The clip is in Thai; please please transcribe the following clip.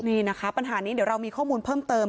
นี่นะคะปัญหานี้เดี๋ยวเรามีข้อมูลเพิ่มเติม